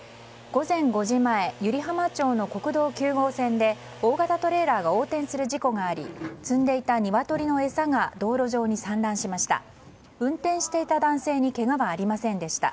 午前５時前湯梨浜町の国道９号線で大型トレーラーが横転する事故があり積んでいたニワトリの餌が道路上に散乱しました。